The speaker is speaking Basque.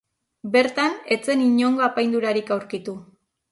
Bertan ez zen inongo apaindurarik aurkitu.